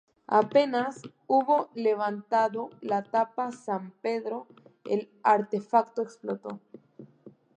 Apenas hubo levantado la tapa Sampedro, el artefacto explotó.